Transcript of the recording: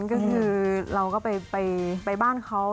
ก็คือเราก็ไปบ้านเขา